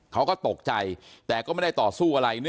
เขาก็ตกใจแต่ก็ไม่ได้ต่อสู้อะไร